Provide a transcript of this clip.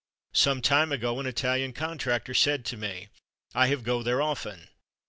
Some time ago an Italian contractor said to me "I have /go/ there often."